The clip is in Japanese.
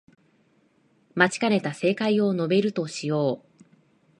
待ちかねた正解を述べるとしよう